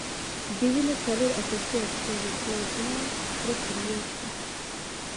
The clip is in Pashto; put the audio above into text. د وینې څلور اساسي اجزاوي پلازما، سره کرویات دي.